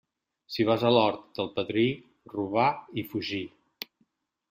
Si vas a l'hort del padrí, robar i fugir.